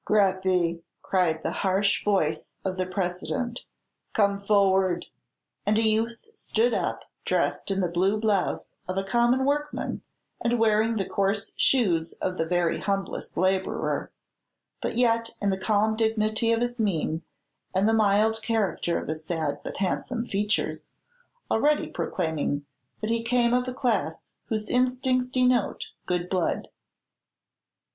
"Greppi!" cried the harsh voice of the President, "come forward;" and a youth stood up, dressed in the blue blouse of a common workman, and wearing the coarse shoes of the very humblest laborer; but yet, in the calm dignity of his mien and the mild character of his sad but handsome features, already proclaiming that he came of a class whose instincts denote good blood.